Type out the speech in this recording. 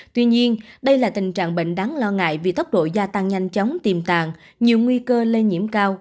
tuy nhiên đây là tình trạng bệnh đáng lo ngại vì tốc độ gia tăng nhanh chóng tiềm tàng nhiều nguy cơ lây nhiễm cao